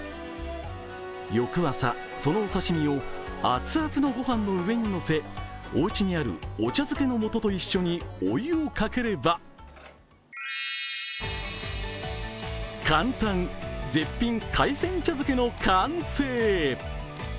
翌朝、そのお刺身を熱々の御飯の上にのせ、おうちにあるお茶漬けのもとと一緒にお湯をかければ簡単、絶品海鮮茶漬けの完成。